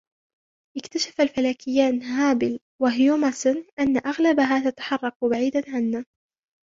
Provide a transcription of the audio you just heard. اكتشف الفلكيان هابل و هيوماسن أنّ أغلبها تتحرك بعيدا عنا